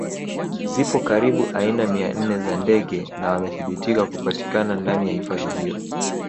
Zipo karibu aina mia nne za ndege na wamethibitika kupatikana ndani ya hifadhi hiyo